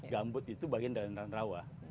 gambut itu bagian dari rawa